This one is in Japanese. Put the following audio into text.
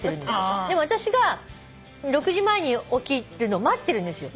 でも私が６時前に起きるの待ってるんです。